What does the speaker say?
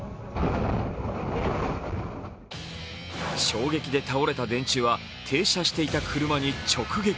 衝撃で倒れた電柱は停車していた車に直撃。